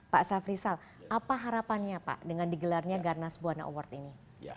pak safrisal apa harapannya pak dengan digelarnya garnas buwana award ini